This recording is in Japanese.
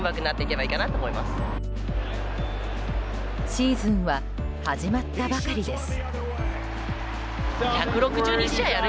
シーズンは始まったばかりです。